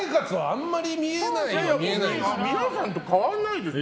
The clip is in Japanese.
皆さんと変わらないですよ。